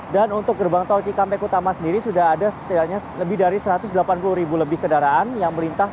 dan untuk gerbang tol cikampek utama sendiri sudah ada setidaknya lebih dari satu ratus delapan puluh ribu lebih kendaraan yang melintas